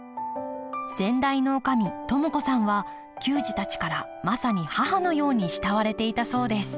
先代の女将智子さんは球児たちからまさに母のように慕われていたそうです